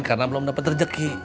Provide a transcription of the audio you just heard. karena belum dapat rezeki